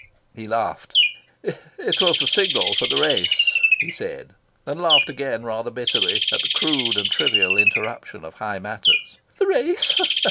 He laughed. "It was the signal for the race," he said, and laughed again, rather bitterly, at the crude and trivial interruption of high matters. "The race?"